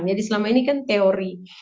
jadi selama ini kan teori